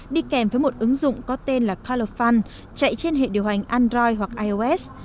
đi kèm với một ứng dụng có tên là kalufan chạy trên hệ điều hành android hoặc ios